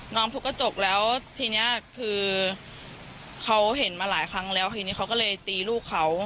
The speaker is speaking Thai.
ทุกกระจกแล้วทีนี้คือเขาเห็นมาหลายครั้งแล้วทีนี้เขาก็เลยตีลูกเขา